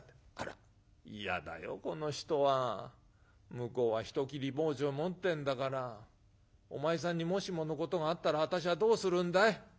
向こうは人斬り包丁持ってんだからお前さんにもしものことがあったら私はどうするんだい？